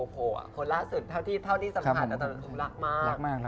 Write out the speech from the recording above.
ผลล่าสุดเท่าที่สัมผัสรักมาก